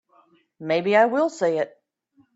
Maybe I will say it.